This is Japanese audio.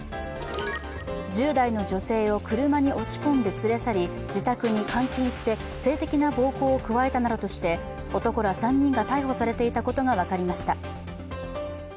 １０代の女性を車に押し込んで連れ去り自宅に監禁して性的な暴行を加えたなどとして男ら３人が逮捕されていたことが分かりました。